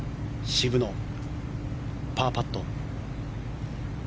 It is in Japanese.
渋野、パーパット。